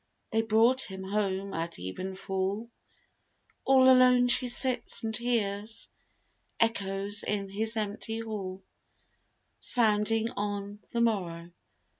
They brought him home at even fall: All alone she sits and hears Echoes in his empty hall, Sounding on the morrow.